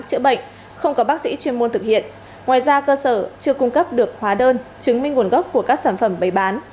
chữa bệnh không có bác sĩ chuyên môn thực hiện ngoài ra cơ sở chưa cung cấp được hóa đơn chứng minh nguồn gốc của các sản phẩm bày bán